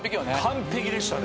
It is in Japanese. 完璧でしたね。